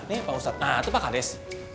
ini pak ustadz nah itu pak kades